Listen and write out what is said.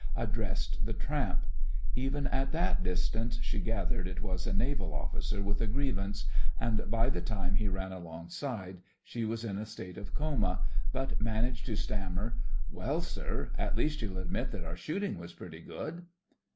addressed the tramp. Even at that distance she gathered it was a Naval officer with a grievance, and by the time he ran alongside she was in a state of coma, but managed to stam mer: "Well, sir, at least you'll admit that our shooting was pretty good."